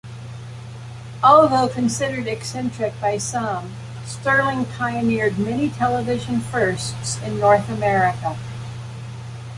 Although considered eccentric by some, Stirling pioneered many television firsts in North America.